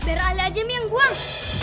biar ali aja yang buang